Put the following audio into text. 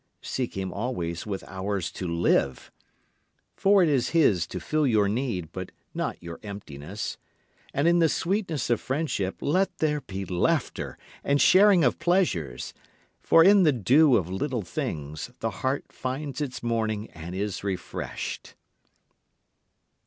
Seek him always with hours to live. For it is his to fill your need, but not your emptiness. And in the sweetness of friendship let there be laughter, and sharing of pleasures. For in the dew of little things the heart finds its morning and is refreshed.